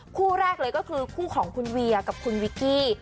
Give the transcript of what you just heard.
คู่แรกเลยก็คือคู่ของคุณเวียกับคุณวิกกี้